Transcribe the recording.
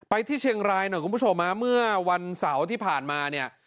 ที่เชียงรายหน่อยคุณผู้ชมฮะเมื่อวันเสาร์ที่ผ่านมาเนี่ย